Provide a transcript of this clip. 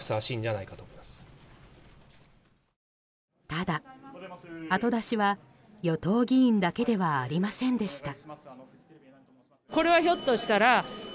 ただ、後出しは与党議員だけではありませんでした。